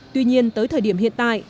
tuy nhiên tới thời điểm hiện tại